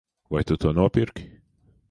Vai tu to nopirki?